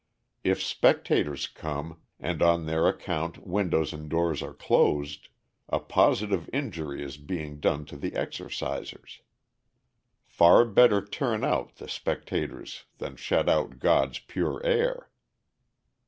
If spectators come, and on their account windows and doors are closed, a positive injury is being done to the exercisers. Far better turn out the spectators than shut out God's pure air.